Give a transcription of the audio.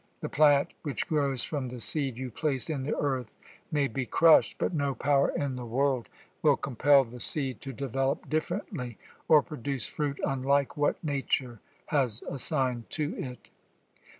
The plant which grows from the seed you place in the earth may be crushed, but no power in the world will compel the seed to develop differently or produce fruit unlike what Nature has assigned to it.'